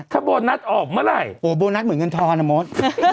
ถ้าโบนัสออกเมื่อไหร่โอ้โบนัสเหมือนเงินทอนอ่ะมด